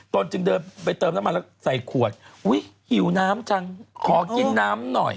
ตนจึงเดินไปเติมน้ำมันแล้วใส่ขวดอุ้ยหิวน้ำจังขอกินน้ำหน่อย